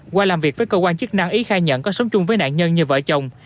qua làm việc với cơ quan chức năng ý khai nhận có sống chung với nạn nhân như vợ chồng